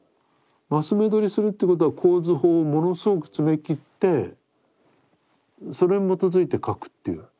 升目取りするということは構図法をものすごく詰めきってそれに基づいて描くという。